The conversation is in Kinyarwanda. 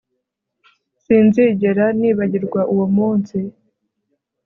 sinzigera nibagirwa uwo munsi